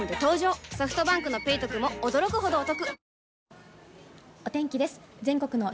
ソフトバンクの「ペイトク」も驚くほどおトク